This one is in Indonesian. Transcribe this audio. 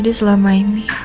jadi selama ini